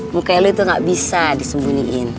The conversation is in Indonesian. mukanya lo itu gak bisa disembunyiin